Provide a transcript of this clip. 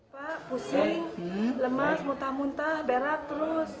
pak pusing lemas muntah muntah berat terus